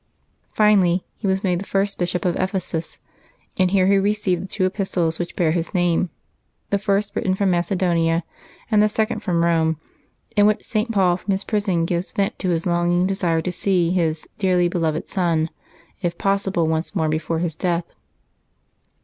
Finally, he was made the first Bishop of Ephesus ; and here he received the two epistles which bear his name, the first written from Macedonia and the second from Eome, in which St. Paul from his prison gives vent to his longing desire to see his " dearly beloved son," if possible. JA.NUAEY 25] LIVES OF TEE SAINTS 47 once more before his death.